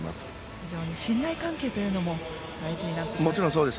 非常に信頼関係も大事になってきます。